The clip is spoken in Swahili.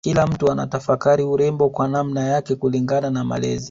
Kila mtu anatafakari urembo kwa namna yake kulingana na malezi